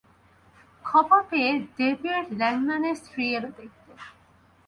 খবর পেয়ে ডেভিড় ল্যাংম্যানের স্ত্রী এল দেখতে।